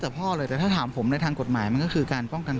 แต่พ่อเลยแต่ถ้าถามผมในทางกฎหมายมันก็คือการป้องกัน